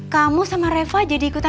kamu sama reva jadi ikut kumpulan